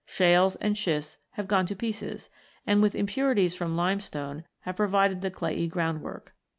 Shales and schists have gone to pieces and, with impurities from limestone, have provided the clayey groundwork.